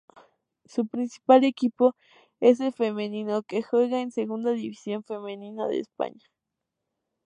Su principal equipo es el femenino que juega en Segunda División Femenina de España.